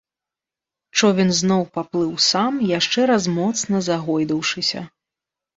Човен зноў паплыў сам, яшчэ раз моцна загойдаўшыся.